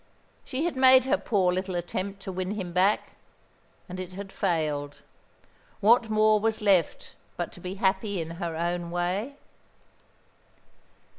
She had made her poor little attempt to win him back; and it had failed. What more was left but to be happy in her own way?